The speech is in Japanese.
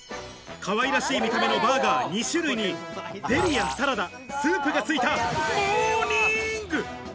可愛らしい見た目のバーガー２種類にサラダ、スープがついたモーニング。